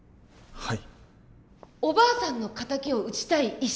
はい。